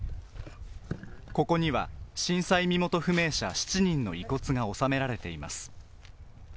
ここには震災身元不明者７人の遺骨が納められています。